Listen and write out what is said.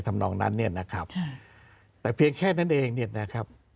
ทำนองนั้นเนี่ยนะครับแต่เพียงแค่นั้นเองเนี่ยนะครับ